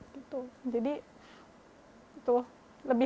gitu jadi itu lebih saya harus merawat mereka jadi keras siapa gitu saya mau